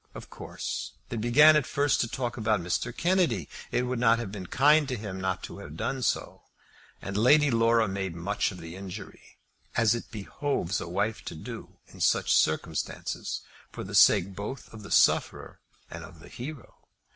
Of course they began at first to talk about Mr. Kennedy. It would not have been kind to him not to have done so. And Lady Laura made much of the injury, as it behoves a wife to do in such circumstances for the sake both of the sufferer and of the hero.